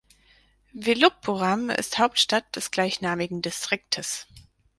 Viluppuram ist Hauptstadt des gleichnamigen Distriktes.